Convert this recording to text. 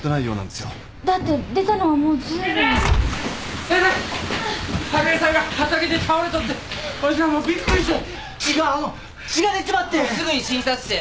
すぐに診察室へ。